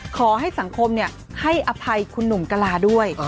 ขอให้สังคมให้อภัยคุณหนุ่มกะลาด้วย